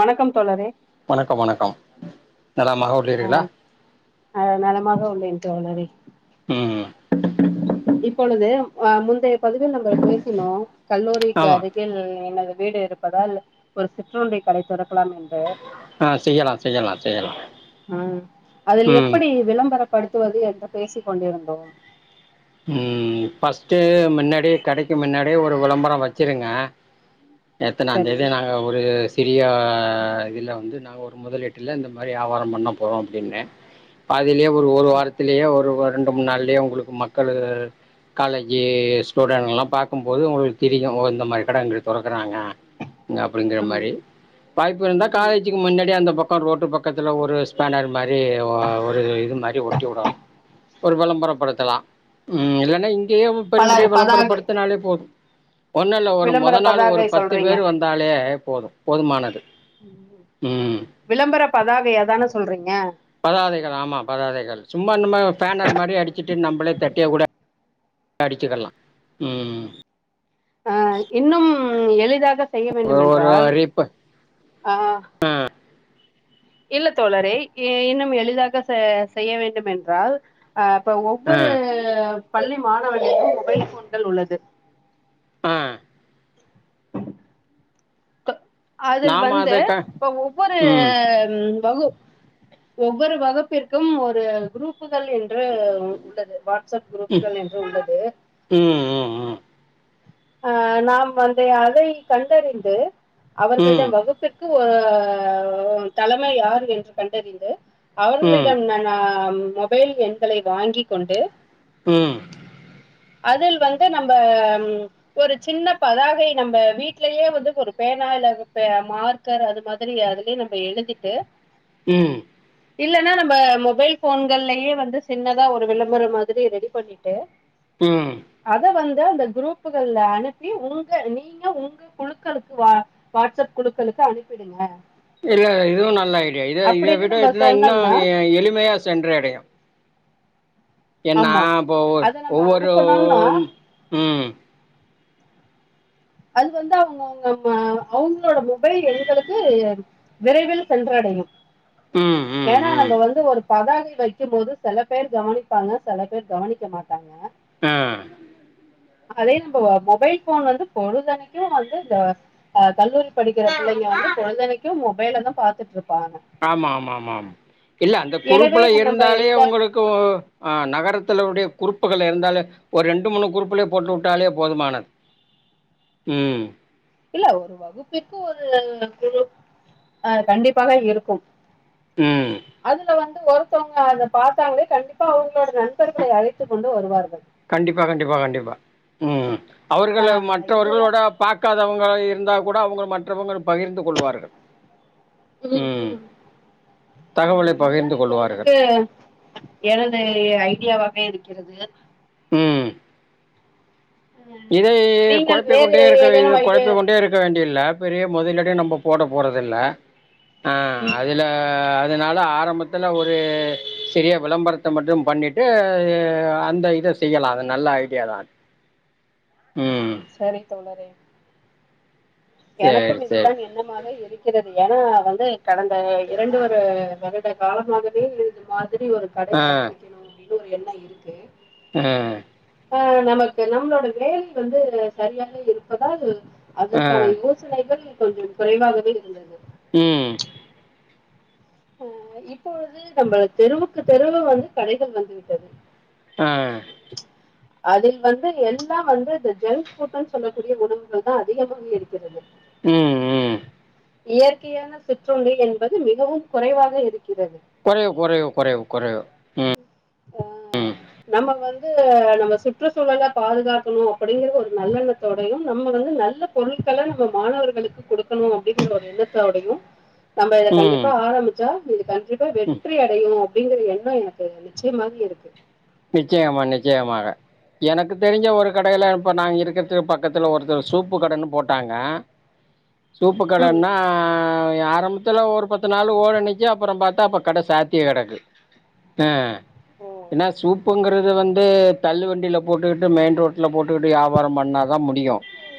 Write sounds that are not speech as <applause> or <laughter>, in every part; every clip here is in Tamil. வணக்கம் தோழரே வணக்கம் வணக்கம் நலமாக உள்ளீர்களா அ நலமாக உள்ளேன் தோழரே ம் இப்பொழுது முந்தைய பதவில் நம்ம பேசினோ கல்லூரி ஆமா கதை எனது வீடு இருப்பதால் ஒரு சிற்றுண்டி கடை தொரக்கலாம் என்று ஆ செய்யலா செய்யலா செய்யலா ஆ அதுல ம் எப்படி விளம்பரப்படுத்துவது என்று பேசிக் கொண்டிருந்தோ ம் ஃப்ர்ஸ்ட் முன்னாடியே கடைக்கு முன்னாடியே ஒரு விளம்பரம் வச்சிருங்க எத்தனாந் சரி தேதி நானு ஒரு சிறிய இதில வந்து நாங்க ஒரு முதலீட்டில இந்த மாதிரி வியாபாரம் பண்ண போறோ அப்படின்னே அதுலே ஒரு ஒரு சரி வாரத்திலேயே ஒரு ரெண்டு மூணு நாள்லயே உங்களுக்கு மக்களு காலேஜு ஸ்டூடெண்ட்லா பாக்கும்போது உங்களுக்கு தெரியு ஓ இந்த மாரி கடை இங்குட்டு தொறக்கிறாங்க அப்படிங்கிற ம் மாரி வாய்ப்பு இருந்தா ம் காலேஜ் க்கு முன்னாடி அந்த பக்கம் ரோட்டு பக்கத்துல ஒரு ஸ்பெனர் மாரி ஒரு இது மாரி ஒட்டி விடனு ஒரு விளம்பரப்படுத்தலா ம் இல்லைன்னா இங்கேயே பல பெரும்படிய பதாகை விளம்பரப்படுத்தினாலே போது ஒண்ணு இல்ல ஒரு மொத விளம்பர நாளு ஒரு பதாகை பத்து சொல்றீங்க பேர் வந்தாலே போது போதுமானது ம் விளம்பர பதாகை அதான சொல்றீங்க பதாதைகள் ஆமா பதாதைகள் சும்மா நம்ம பேனர் மாதிரி அடிச்சிட்டு நம்மளே தட்டியக்கூட அடிச்சுகல்லா ம் அ இன்னும் எளிதாக செய்ய வேண்டும் ஒரு- ஒரு என்றால் ரீப்பு அ இல்ல தோழரே இன்னும் எளிதாக செய்ய வேண்டும் என்றால் அ இப்ப ஆ ஒவ்வொரு பள்ளி மாணவர்கள்டயு மொபைல் ஃபோன்கள் உள்ளது ஆ அதில் நாம் வந்து அதை க இப்ப ஒவ்வொரு ம் வகு ஒவ்வொரு வகுப்பிற்கும் ஒரு குரூப்புகள் என் று உள்ளது வாட்ஸ்அப் ம் குரூப்புகள் என்று உள்ளது ம் ம் ஆ நாம் வந்து அதை கண்டறிந்து ம் அவர்களிடம் வகுப் சக்கு ஒ ஒரு தலைமை யார் என்று கண்டறிந்து ம் அவர்களிடம் மொபைல் எண்களை வாங்கி கொண்டு ம் அதில் வந்து நம்ப ம் ஒரு சின்ன பதாகை நம்ம வீட்லயே வந்து ஒரு பேனா இல்ல மார்க் கர் அது மாதிரி அதுலயே நம்ம எழுதிட்டு ம் இல்லனா நம்ம மொபைல் ஃபோன்கள்லயே வந்து சின்னதா ஒரு விளம்பரம் மாதிரி ரெடி பண்ணிட்டு ம் அத வந்து அந்த குரூப்புகள்ல அனுப்பி உங்க நீங்க உங்க குழுக்களுக்கு வா வாட்ஸ்அப் குழுக்களுக்கு அனுப்பிடுங்க இல்ல இதுவு நல்ல ஐடியா இத இத அப்படின்னு விட நம்ம இதுதா இன்னு சொன்னோம்னா எளிமையா சென்றடையு ஏன்னா ஆமா இப்போ ஒரு அத நம்ம ஒவ்வொரு அனுப்பனோம்னா ம் அது வந்து அவுங்க அவுங்க அவங்களோட மொபைல் எண்களுக்கு ஏறு விரைவில் சென்றடையும் ம் ம் ஏன்னா ம் நம்ம வந்து ஒரு பதாகை வைக்கும் போது சில பேர் கவனிப்பாங்க சில பேர் கவனிக்க மாட்டாங்க ஆ அதே நம்ம மொபைல் ஃபோன் வந்து பொழுதனைக்கு வந்து இந்த அ கல்லூரி படிக்கிற பிள்ளைங்க வந்து பொழுதனைக்கும் மொபைல்ல தா பாத்துட்டு இருப்பாங்க ஆமா ஆமா ஆமா ஆமா இல்ல அந்த எனவே குரூப்புல நம்ம இருந்தாலே இத உங்களுக்கு கு நகரத்துல உடைய குருப்புகள் இருந்தாலே ஒரு ரெண்டு மூணு குரூப்புலயே போட்டு உட்டாலே போதுமானது ம் இல்ல ஒரு வகுப்பிற்கு ஒரு குழு அ கண்டிப்பாக இருக்கு ம் அதுல வந்து ஒரு த்தவங்க அத பாத்தாங்களே கண்டிப்பா அவங்களோட நண்பர்களை அழைத்து கொண்டு வருவார்கள் கண்டிப்பா கண்டிப்பா கண்டிப்பா ம் அவர்கள அஹ், இதுதான் மற்றவர்களோட பாக்காதவங்க இருந்தா கூட அவங்கள மற்றவங்க பகிர்ந்து கொள்வார்கள் ம் ம் ஆ தகவலை இதுதா பகிர்ந்து கொள்வார்கள். இப்பொழுதுக்கு எனது ஐடியாவாவே இருக்கிறது ம் அஹ் இதை நீங்கள் கொழப்பிக் வேறு கொண்டே ஏதேனும் இருக்க ஐடியா கொழப்ப கொண்டே இருக்க வேண்டியல்ல பெரிய முதலிடே நம்ம போட போறதில்ல ம் அதுல அ அதனால ஆரம்பத்துல ஒரு சிறிய விளம்பரத்த மட்டு பண்ணிட்டு அந்த இத செய்யலா அது நல்ல ஐடியா தா ம் சரி தோழரே சரி, எனக்கும் இதுதா சரி. எண்ணமாக இருக்கிறது ஏன்னா வந்து கடந்த இரண்டு ஒரு வரு இந்த காலமாகவே இது மாதிரி ஒரு ஆ, கடைய ஆரம்பிக்கணு அப்டின்னு ஒரு எண்ண இருக்கு ம் ஆ நமக்கு நம்ளோட வேலை வந்து சரியாக இருப்பதால் அதற் ஆ, க்கான யோசனைகள் கொஞ்சம் குறைவாகவே இருந்தது ம் ஓ இப்பொழுது நம்ம தெருவுக்கு தெருவு வந்து கடைகள் வந்து விட்டது அ <inaudible> அதில் வந்து எல்லா வந்து இந்த ஜங்க் ஃபுட்டுன் சொல்லக்கூடிய உணவுகள் தா அதிகமாக இருக்கிறது ம் ம் இயற்கையான சிற்றுண்டி என்பது மிகவும் குறைவாக இருக்கிறது கொறைவு கொறைவு கொறைவு கொறைவு ம் ஆ ம் நம்ம வந்து நம்ம சுற்றுச்சூழல பாதுகாக்கணு அப்டிங்கிறது ஒரு நல்லெண்ணத்தோடையு நம்ம வந்து நல்ல பொருட்கள நம்ம மாணவர்களுக்கு குடுக்கணு அப்டிங்கிற ஒரு எண்ணத்தோடையு நம்ப இத ம், கண்டிப்பா ஆரம்மிச்சா இது கண்ட்ரிப்பா வெற்றி அடையு அப்டிங்கிற எண்ணோ எனக் கு நிச்சியமாவே இருக்கு நிச்சயமா நிச்சயமாக எனக்கு தெரிஞ்ச ஒரு கடையில இப்ப நாங்க இருக்கற்துக்கு பக்கத்துல ஒருத்தர் சூப்பு கடைன்னு போட்டாங்க <inaudible> சூப்பு ம் கடன்னா யாரம்ப த்துல ஒரு பத்து நாளு ஓரனிக்கு அப்பறோ பாத்தா அப்ப கட சாத்தியே கெடக்கு அ ஓ ஏனா சூப்புங்கிறது வந்து தள்ளு வண்டியில போட்டுக்கிட்டு மெயின் ரோட்ல போட்டுக்கிட்டு வியாபார பண்ணா தா முடியு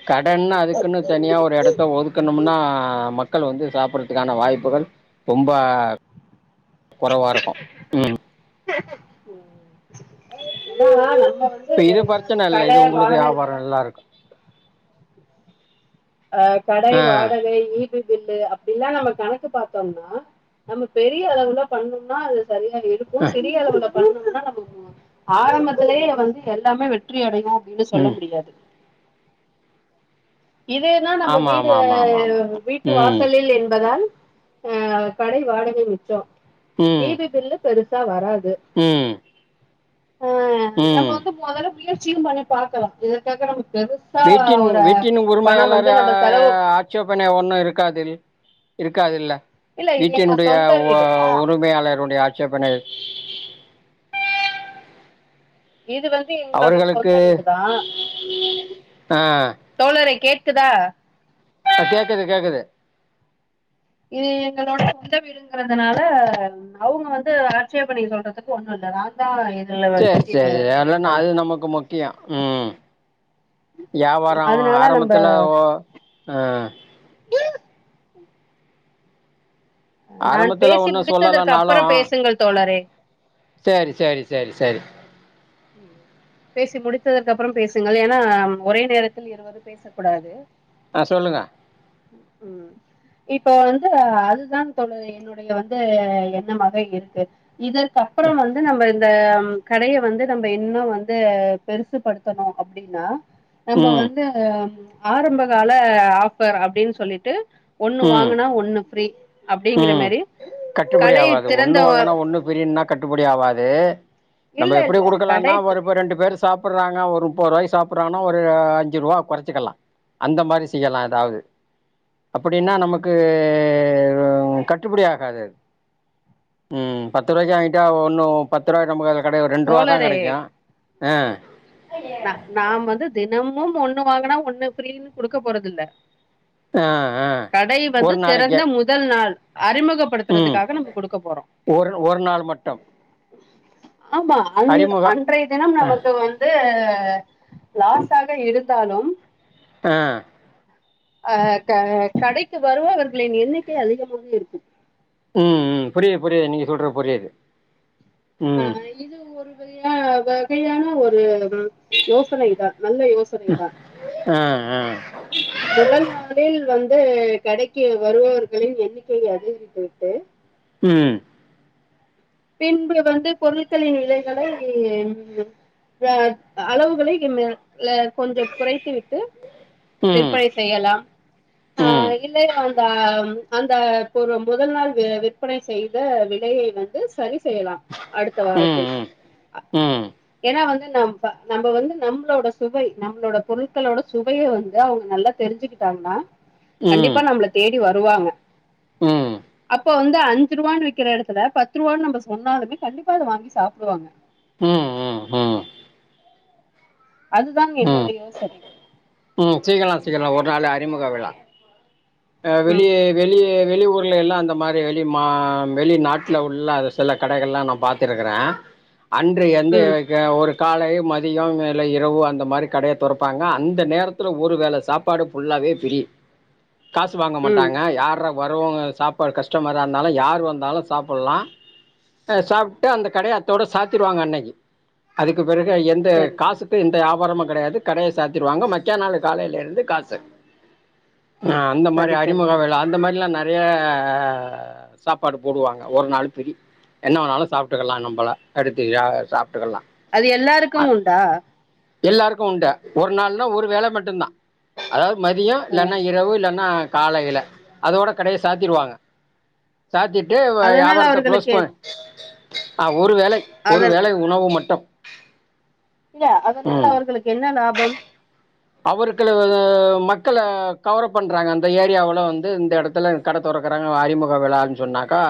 கடன்னா அதுக்குன்னு தனியா ம் ஒரு எடத் த்த ஒதுக்கணும்னா மக்கள் வந்து சாப்பிட்றதுக்கான வாய்ப்புகள் ரொம்ப குறைவா இருக்கும். ம். என்னதா வண் நம்ப வந்து அது கட வாடக நல்லாருக்கு அ கடை ஆ. வாடகை ஈ பி பில்லு அப்டிலா நம்ம கணக்கு பாத்தோம்னா நம்ம பெரிய அளவுல பண்ணோனா அது சரியா எடுக்கு அ. சிறிய அளவுல பண்ணணும்னா நம்ம ஆரம்பத்துலேயே வந்து எல்லாமே ற்றி அடைவோ அப்டின்னு சொல்ல ம். முடியாது இதேதா நம்ம ஆமா வீடு ஆமா ஆமா ஆமா ஆமா. வீட்டு ம். வாசலில் என்பதால் ஆ கடை வாடகை மிச்சோ ம். ஈபி பில்லு பெருசா வராது ம் ஆ நம்ம ம். வந்து மொதல்ல முயற்சியு பண்ணி பாக்கலா இதற்காக நம்ம பெருஸ் வீட்டின் வீட்டின் உரிமையாளரா செலவு ச்சேபனை ஒன்னு இருக்காதுல் இருக்காதுல்ல இல்ல இது வீட்டின் எங்க உடைய சொந்த வீடு உரிமையாளருடைய ஆட்சேபனை இது வந்து எங்களுடைய அவர்களுக்கு சொந்த வீடு தா ஆ தோழரே கேக்குதா அ கேக்குது கேக்குது இது எங்களோட சொந்த வீடு குங்கறதுனால அவுங்க வந்து ஆட்சேபனை சொல்றதுக்கு ஒண்ணு இல்ல நா தா இதுல சேர் வீட்டின் சேரி வேறேன்ன அது உரிமையாளர் நமக்கு மொ டியா ம் யாவார அதனால நம்ம ஆரம்பத்துல ஓ அ நான் ஆரம்பத்துல பேசி ஒண்ணு முடித்ததற்கு சொல்லலனாலு அப்புறம் பேசுங்கள் தோழரே செரி செரி செரி செரி பேசி முடித்ததற்கு அப்பறோ பேசுங்கள் ஏனா ஒரே நேரத்தில் இருவரு பேசக்கூடாது ஆ சொல்லுங்க ம் இப்போ வந்து அதுதா தோழர் என்னுடைய வந்து எண்ணமாக இருக்கு இதற்கப்பறம் வந்து நம்ம இந்த கடைய வந்து நம்ப இன்னு வந்து பெருசுபடுத்தணு அப்டின்னா நம்ப ம். வந்து ஆ ஆரம்பகால ஆஃபர் அப்டின் சொல்லிட்டு ஒண்ணு ம். வாங்குனா ஒண்ணு ஃப்ரீ அப்டிங்கற ம் மாரி கடைய திறந்தவ ஒன்னு பிரியனா கட்டுப்படி ஆவாது நம்ம இல்ல எப்டி இல்ல குடுக்கலானா கடை ஒரு த- ப ரெண்டு பேர் சாப்புறாங்க ஒரு முப்ப ரூவாய்க்கி சாப்புறாங்கனா ஒரு அஞ்சு ரூவா கொறச்சுக்கலா அந்த மாரி செய்யலா ஏதாவது அப்பிடின்னா நமக்கு ம் கட்டுப்படி ஆகாது ம் பத்து ரூவாய்கு வாங்கிட்டா ஒன்னு பத்து ரூவாய் நம்ம கைடய ஒரு ரெண்டு ரூபா தா தோழரே கிடைக்கு ஆ நா நாம வந்து தினமும் ஒண்ணு வாங்கினா ஒண்ணு ஃப்ரீன்னு குடுக்க போறது இல்ல ஆ ஆ கடை வந்து ஒரு திறந்த நாளைக்கே முதல் நாள் அறிமுக ம் படுத்துறதுக்காக நம்ம குடுக்க போறோ ஒரு ஒரு நாள் மட்டும் ஆமா அந் அறிமுக அன்றைய தினம் நமக்கு வந்து இந்த லாசாக ஆக இருந்தாலு ஆ அ க கடைக்கு வருபவர்களின் எண்ணிக்கை அதிகமாக இருக்கு ம் ம் புரியுது புரியுது நீங்க சொல்ற புரியுது ம் அஹ் இது ஒரு வகையா வகையான ஒரு யோசனைதா நல்ல யோசனை தா ஆ ஆ முதல் நாளில் வந்து கடைக்கு வருபவர்களின் எண்ணிக்கையை அதிகரித்து விட்டு ம் பின்பு வந்து பொருட்களின் விலைகளை ம் ஆ அளவுகளை ம் எ கொஞ்சம் குறைத்து விட்டு ம் விற்பனை செய்யலா ஆ ம் இல்லை அந்த அந்த ஒரு முதல் நாள் விற்பனை செய்த விலையை வந்து சரி செய் செய்யலா அடுத்த ம் ம் வாரத்தில் ம் அ ம் ஏனா வந்து நம் இப்ப நம்ப வந்து நம்ளோட சுவை நம்ளோட பொருட்களோட சுவைய வந்து அவுங்க நல்லா தெரிஞ்சுக்கிட்டாங்கனா தெரிஞ்சுக்கிட்டாங்கன்னா கண்டிப்பா நம்ளுக் தேடி வருவாங்க ம் அப்ப வந்து அஞ்சு ரூவான் விக்கிற எடத்துல பத் த்ருவா நம்ம சொன்னாலுமே கண்டிப்பா அத வாங்கி சாப்டுவாங்க ம் ம் ம் அதுதான் என்னோட ம் யோசனை ம் சீக்கலாம் சீக்கலா ஒரு நாள் அறிமுக விழா ஆ வெளியே ம் வெளியே வெளி ஊர்ல எல்லா இந்த மாரி வெளி மா வெளிநாட்டுல உள்ள அது சில கடைகளல்லா நா பாத்துருக்கிற அன்று எந்த ம் ஏ ஒரு காலை மதியம் இரவு அந்த மாரி கடைய தொறப்பாங்க அந்த நேரத் லுல ஒரு வேள சாப்பாடு ஃபுல்லாவே ஃப்ரீ காசு வாங்க ம் மாட்டாங்க யார வருவாங்க சாப்பாடு கஸ்டமரா இருந்தாலும் யார் வந்தாலும் சாப்புலாம் ச சாப்ட்டு அந்த கடய அத்தோட சாத்திடுவாங்க அன்னைக்கு அதுக்கு பிறகு எந் ந சரி தோ காசுக்கு எந்த வியாபாரமு கெடையாது கடைய சாத்திடுவாங்க மக்கையா நாளு காலைல இருந்து காசு ஆ அந்த மாரி சரி அறிமுக தோழரே விழா அந்த மாரிலா ந நறைய சாப்பாடு போடுவாங்க ஒரு நாள் ஃப்ரீ என்னா வேண்லு சாப் ட்டுக்கலா நம்மள அடுத்து யார் சாப்ட்டுக்கலா அது எல்லாருக்கும் உண்டா எல்லாருக்கும் உண்டு ஒரு நாள்ன்னா ஒரு வேல மட்டும் தான் அதாவது மதியோ இல்லன்னா ம் இரவு இல்லன்னா காலைல அதோட கடைய சாத்திடுவாங்க சாத்திட்டு அதனால வியாபாரத்த க்ளோஸ் அவர்களுக்கு ப ஆ ஒரு வேளை அத ஒரு வேளை உணவு மட்டும் இல்ல அதனால அவர்களுக்கு என்ன லாபம் அவருக்குளுவு மக்கள கவரப் பண்றாங்க அந்த ஏரியாவுல வந்து இந்த எடத்துல கடத் தொறக்குறாங்க அறிமுக விழான் சொன்னாக்கா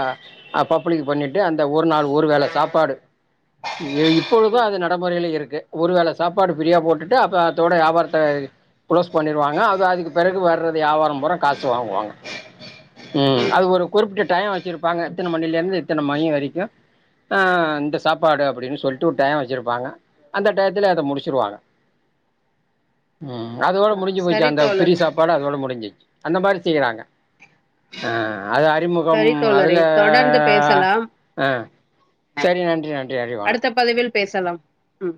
ஆ பப்ளிக் பண்ணிட்டு அந்த ஒரு நாள் ஒரு வேள சாப்பாடு <unintelligible> ம் இப்பொழுதும் அது நடமுறைல இருக்கு ஒரு வேல சாப்பாடு ஃபிரீயா போட்டுட்டு அப்ப அத்தோட வியாபார த்த குளோஸ் பண்ணிடுவாங்க அது அதுக்கு பிறகு வர்றது வியாபாரம் பூறா காசு வாங்குவாங்க ம் அது ஒரு குறிப்பிட்ட டையோ வச்சுருப்பாங்க இத்தன மணில இருந்து இத்தன மணி வரைக்கு ஆ இந்த சாப்பாடு அப்டின்னு சொல்லுட்டு ஒரு டைம் வச்சுருப்பாங்க அந்த டயத்துல அத முடிச்சுருவாங்க ம் அதோட ஆ முடிஞ்சு போச்சு சரி அந்த ஃப்ரீ தோழரே சாப் பாடு அதோட முடிஞ்சிச்சு அந்த மாரி செய்றாங்க அ அது அறிமுகம் சரி அதுல தோழரே தொடர்ந்து பேசலாம் அ சேரி நன்றி நன்றி நன்றி அடுத்த வணக்கம் பதிவில் பேசலாம் ம்